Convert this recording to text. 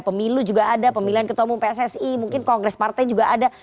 pemilu juga ada pemilihan ketua umum pssi mungkin kongres partai juga ada